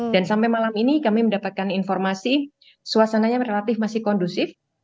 dan sampai malam ini kami mendapatkan informasi suasananya relatif masih kondusif